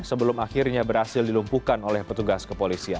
sebelum akhirnya berhasil dilumpuhkan oleh petugas kepolisian